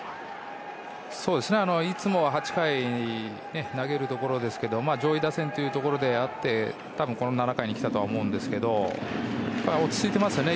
いつもは８回で投げるところですけど上位打線というところであって多分、この７回に来たと思いますが落ち着いてますよね。